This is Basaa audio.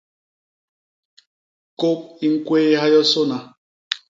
Kôp i ñkwéyha yosôna.